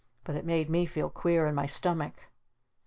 But it made me feel queer in my stomach!"